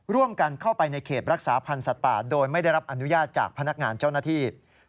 ร่วมกันเข้าไปในเขตรักษาพันธ์สัตว์ป่าโดยไม่ได้รับอนุญาตจากพนักงานเจ้าหน้าที่